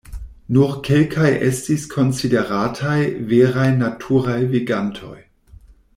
Nur kelkaj estis konsiderataj veraj naturaj vagantoj.